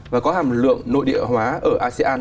và có hàm lượng nội địa hóa ở asean